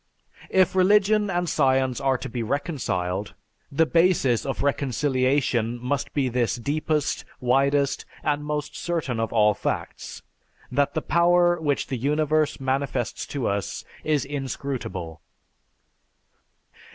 If religion and science are to be reconciled, the basis of reconciliation must be this deepest, widest, and most certain of all facts, that the Power which the Universe manifests to us is inscrutable."